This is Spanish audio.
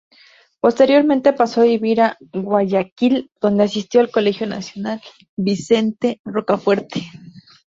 Posteriormente pasó a vivir a Guayaquil, donde asistió al Colegio Nacional Vicente Rocafuerte.